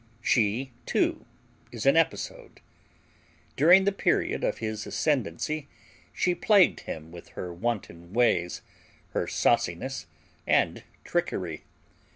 She, too, is an episode. During the period of his ascendancy she plagued him with her wanton ways, her sauciness and trickery.